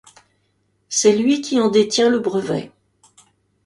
c'est lui qui en détient le brevet.